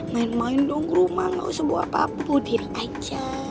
main main dong rumah lo sebuah pabudin aja